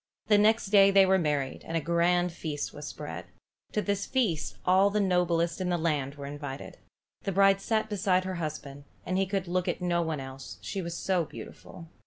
The next day they were married, and a grand feast was spread. To this feast all the noblest in the land were invited. The bride sat beside her husband, and he could look at no one else, she was so beautiful.